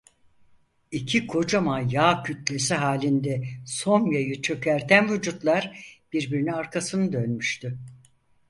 İki kocaman yağ kütlesi halinde somyayı çökerten vücutlar birbirine arkasını dönmüştü.